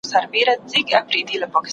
د هورمون بدلونونو په اړه نوي درملنې جوړېږي.